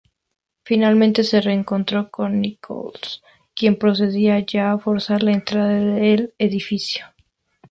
Finalmente se reencontró con Nichols quien procedía ya a forzar la entrada del edificio.